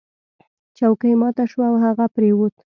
چوکۍ ماته شوه او هغه پریوت.